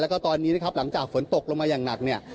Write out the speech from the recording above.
แล้วก็ตอนนี้นะครับหลังจากฝนตกลงมาอย่างหนักเนี่ย